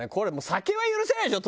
酒は許せないでしょ？